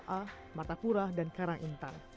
a martapura dan karangintan